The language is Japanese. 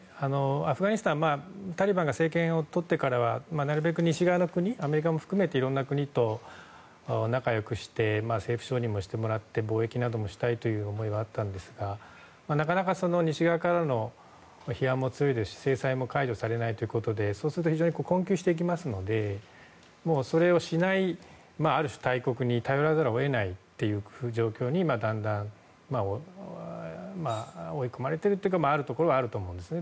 アフガニスタンはタリバンが政権をとってからなるべく西側の国アメリカも含めていろいろな国と仲良くして政府承認もしてもらって貿易などもしたいという思いはあったんですがなかなか西側からの批判も強いですし制裁も解除されないということでそうすると非常に困窮していきますのでそれをしないある種、大国に頼らざるを得ない状況にだんだん追い込まれているところはあると思うんですね。